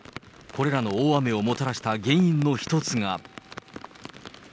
これらの大雨をもたらした原因の一つが。